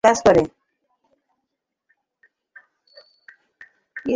এতে কাজ করে।